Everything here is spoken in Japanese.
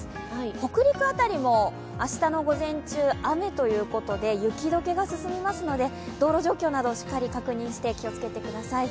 北陸辺りも明日の午前中、雨ということで雪解けが進みますので、道路状況などしっかり確認して気を付けてください。